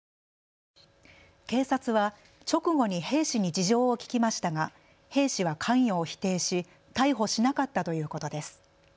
警察は直後に兵士に事情を聞きましたが兵士は関与を否定し、逮捕しなかったということです。